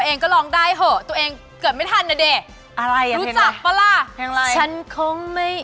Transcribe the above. อันนี้เกิดมามันก็รุ่นโปรโมทแล้วไง